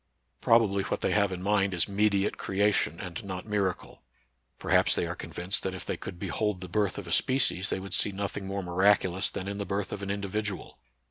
Probably what they have in mind is mediate creation and not miracle. Perhaps they are convinced that if they could behold the birth of a species, they would see nothing more miraculous than in the birth of an individual.